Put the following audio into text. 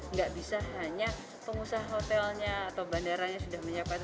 nggak bisa hanya pengusaha hotelnya atau bandaranya sudah menyiapkan